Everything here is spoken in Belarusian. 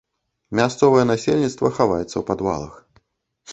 Мясцовае насельніцтва хаваецца ў падвалах.